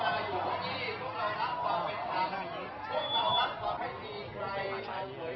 อยากให้มองแม่นดีโรธทำให้มันเป็นเพื่อนหนึ่งของทุกคนที่